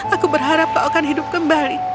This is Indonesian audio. aku berharap kau akan hidup kembali